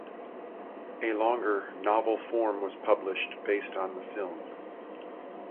A longer, novel form was published, based on the film.